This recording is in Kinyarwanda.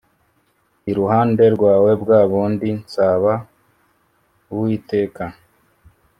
iruhande rwawe bwa bundi nsaba uwiteka